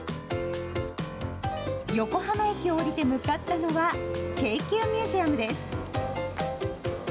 横浜駅を降りて向かったのは京急ミュージアムです。